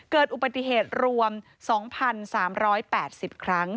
เกิดอุบัติเหตุรวม๒๓๘๐ครั้ง